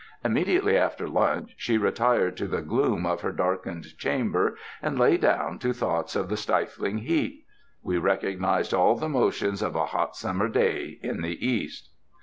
Immedi ately after lunch, she retired to the gloom of her darkened chamber and lay down to thoughts of the stifling heat. We recognized all the motions of a hot summer day in the East.